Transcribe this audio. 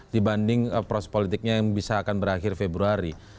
dibanding proses politiknya yang bisa akan berakhir februari